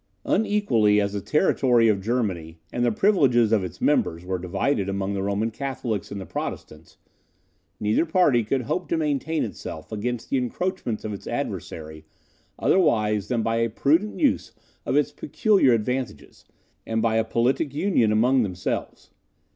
Unequally as the territory of Germany and the privileges of its members were divided among the Roman Catholics and the Protestants, neither party could hope to maintain itself against the encroachments of its adversary otherwise than by a prudent use of its peculiar advantages, and by a politic union among themselves.